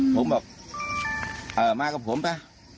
ผมบอกมากกับผมก่ะ